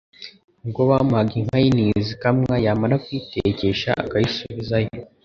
Ubwo bamuhaga inka y'intizo ikamwa, yamara kuyitekesha akayisubizayo.